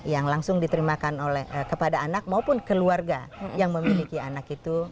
yang langsung diterimakan kepada anak maupun keluarga yang memiliki anak itu